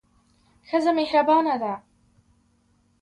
ښځه مهربانه ده.